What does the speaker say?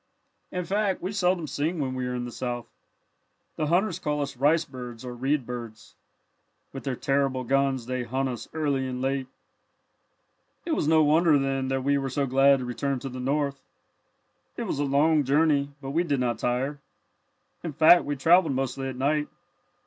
"In fact we seldom sing when we are in the South. The hunters call us 'rice birds' or 'reed birds.' With their terrible guns they hunt us early and late. "It was no wonder, then, that we were so glad to return to the North. It was a long journey, but we did not tire. In fact we travelled mostly at night.